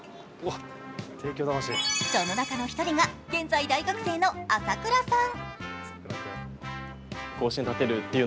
その中の１人が現在、大学生の朝倉さん。